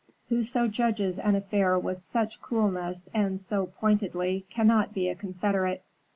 Whoso judges an affair with such coolness and so pointedly cannot be a confederate.